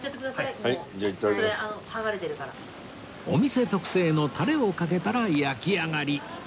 お店特製のタレをかけたら焼き上がり